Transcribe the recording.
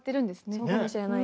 そうかもしれないです。